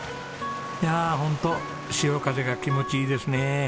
いやホント潮風が気持ちいいですね。